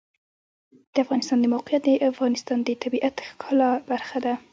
د افغانستان د موقعیت د افغانستان د طبیعت د ښکلا برخه ده.